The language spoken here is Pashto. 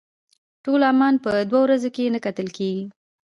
ټول عمان په دوه ورځو کې نه کتل کېږي.